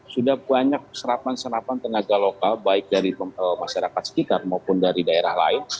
sudah banyak serapan senapan tenaga lokal baik dari masyarakat sekitar maupun dari daerah lain